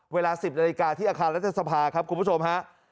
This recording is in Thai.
เวลา๑๐นาฬิกาที่อาคารรัฐสภาครับคุณผู้ชมฮะ